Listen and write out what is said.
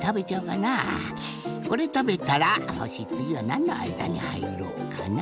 これたべたらよしつぎはなんのあいだにはいろうかな。